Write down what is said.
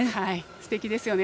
すてきですよね。